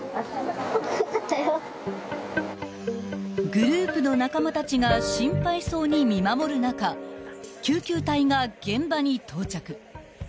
［グループの仲間たちが心配そうに見守る中救急隊が現場に到着］